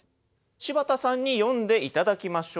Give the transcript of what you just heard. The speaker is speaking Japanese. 柴田さんに読んで頂きましょう。